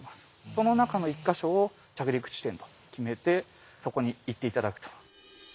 その中の１か所を着陸地点と決めてそこに行って頂くと。